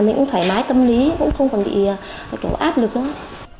mình cũng thoải mái tâm lý cũng không còn bị kiểu áp lực nữa